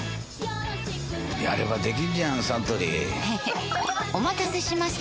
やればできんじゃんサントリーへへっお待たせしました！